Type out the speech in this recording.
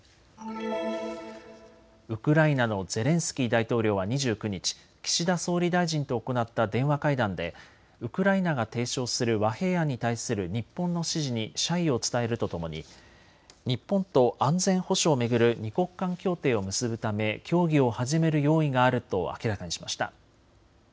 ウクライナのゼレンスキー大統領は２９日、岸田総理大臣と行った電話会談でウクライナが提唱する和平案に対する日本の支持に謝意を伝えるとともに日本と安全保障を巡る２国間協定を結ぶため協議を始める用意があると明らかにしました。